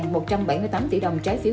việc các doanh nghiệp chủ động mua trái phiếu